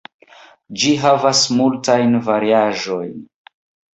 Ĝi havas multajn variaĵojn.